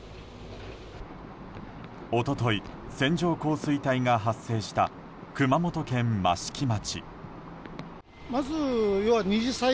一昨日、線状降水帯が発生した熊本県益城町。